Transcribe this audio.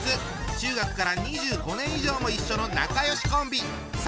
中学から２５年以上も一緒の仲よしコンビ！